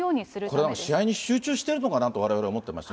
これは試合に集中しているのかなと、われわれは思ってました